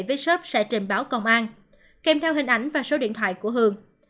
với shop sẽ trình báo công an kèm theo hình ảnh và số điện thoại của hường